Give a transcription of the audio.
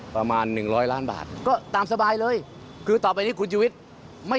ประมาณ๑๐๐ล้านบาทก็ตามสบายเลยคือต่อไปนี้คุณชูวิทรไม่